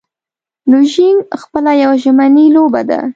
لوژینګ خپله یوه ژمنی لوبه ده.